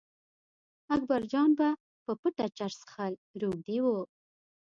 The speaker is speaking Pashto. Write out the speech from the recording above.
اکبرجان به په پټه چرس څښل روږدي و.